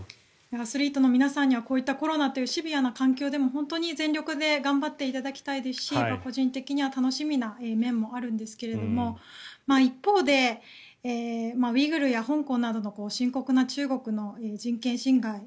アスリートの皆さんにはこういったコロナというシビアな環境でも本当に全力で頑張っていただきたいですし個人的には楽しみな面もあるんですが一方でウイグルや香港などの深刻な中国の人権侵害